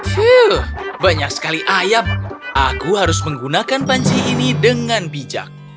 fiuh banyak sekali ayam aku harus menggunakan panci ini dengan bijak